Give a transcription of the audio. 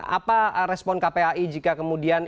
apa respon kpai jika kemudian